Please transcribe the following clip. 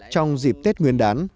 trong dịp tết nguyên đán